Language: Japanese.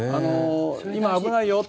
今、危ないよと。